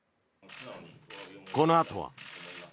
このあとは。